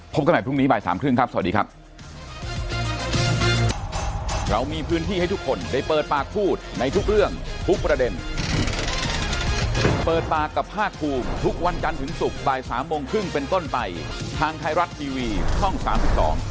กันใหม่พรุ่งนี้บ่ายสามครึ่งครับสวัสดีครับ